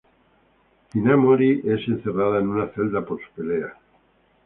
Hinamori es encerrada en una celda por su pelea.